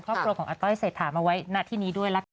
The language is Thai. ครอบครัวของอาต้อยใส่ถามมาไว้หน้าที่นี้ด้วย